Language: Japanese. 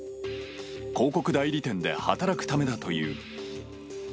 広告代理店で働くためだという。